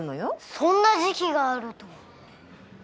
そんな時期があるとは。